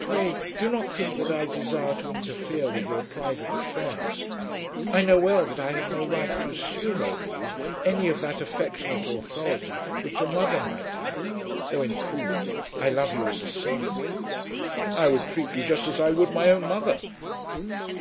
"Pray do not think that I desire to interfere with your private affairs. I know well that I have no right to assume over you any of that affectionate authority which a mother might have, though in truth I love you as a son." "I would treat you just as I would my own mother."